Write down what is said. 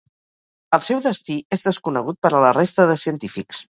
El seu destí és desconegut per a la resta de científics.